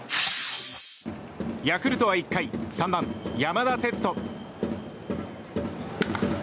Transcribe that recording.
ヤクルトは１回３番、山田哲人。